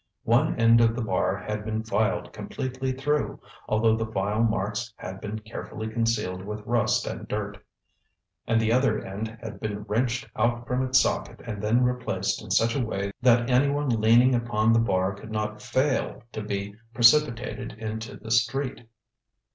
One end of the bar had been filed completely through, although the file marks had been carefully concealed with rust and dirt; and the other end had been wrenched out from its socket and then replaced in such a way that anyone leaning upon the bar could not fail to be precipitated into the street!